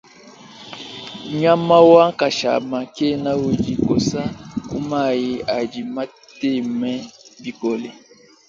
Nyama wa nkashama kena udi kosa ku mayi adi mateme bikole.